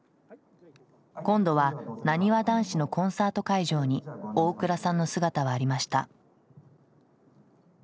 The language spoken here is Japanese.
今度はなにわ男子のコンサート会場に大倉さんの姿はありました。